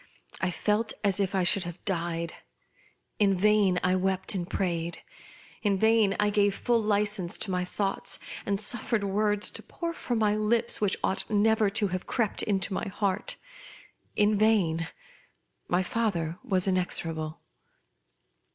I felt as if I should have died. In vain I wept and prayed. In vain I gave full license to my thoughts, and sufllered 7 416* HOUSEHOLD WORDS. [Conducted by words to pour from my lips which ought never to have crept into my heart. In vain j my father was inexorable.